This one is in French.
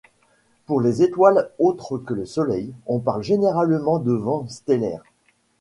Pour les étoiles autres que le Soleil, on parle généralement de vent stellaire.